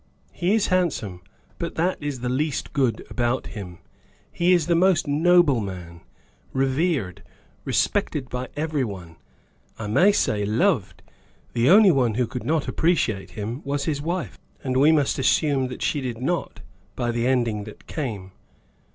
"He is handsome: but that is the least good about him. He is the most noble man! Revered, respected by everyone; I may say loved! The only one who could not appreciate him was his wife; and we must assume that she did not, by the ending that came.